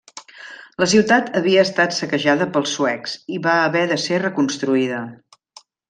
La ciutat havia estat saquejada pels suecs, i va haver de ser reconstruïda.